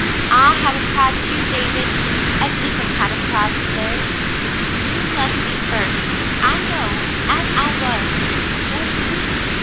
I have a pride, too, David, a different kind of pride from theirs. You loved me first, I know, as I was — just me.